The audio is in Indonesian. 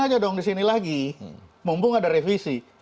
aja dong di sini lagi